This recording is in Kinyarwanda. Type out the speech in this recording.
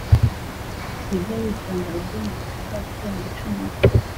Ujye witonda ururimi rutazagutera gucumura,